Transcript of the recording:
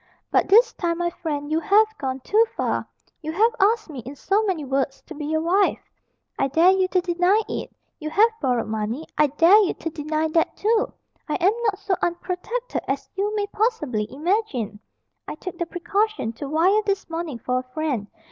But this time, my friend, you have gone too far. You have asked me, in so many words, to be your wife I dare you to deny it! You have borrowed money I dare you to deny that too! I am not so unprotected as you may possibly imagine. I took the precaution to wire this morning for a friend.